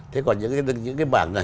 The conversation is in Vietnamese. thế còn những cái bảng này